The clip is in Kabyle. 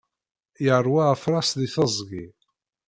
Yeṛwa afras di teẓgi.